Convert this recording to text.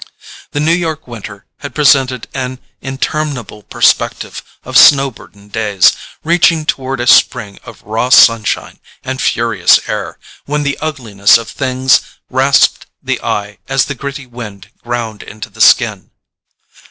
The New York winter had presented an interminable perspective of snow burdened days, reaching toward a spring of raw sunshine and furious air, when the ugliness of things rasped the eye as the gritty wind ground into the skin.